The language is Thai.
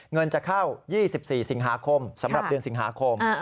เงินจะเข้า๒๔สิงหาคมสำหรับเดือนสิงหาคม